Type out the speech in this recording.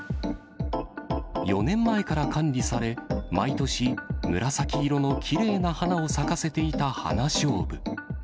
４年前から管理され、毎年、紫色のきれいな花を咲かせていたハナショウブ。